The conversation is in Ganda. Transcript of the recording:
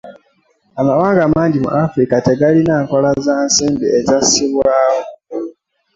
Amawanga mangi mu Afrika tegalina nkola za ssimba ezassibwawo.